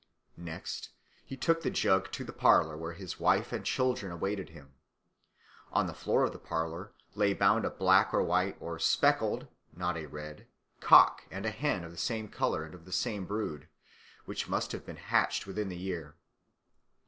Next he took the jug to the parlour, where his wife and children awaited him. On the floor of the parlour lay bound a black or white or speckled (not a red) cock and a hen of the same colour and of the same brood, which must have been hatched within the year.